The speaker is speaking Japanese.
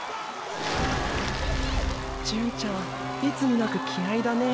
純ちゃんいつになく気合いだねー。